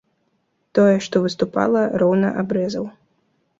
Тое, што выступала, роўна абрэзаў.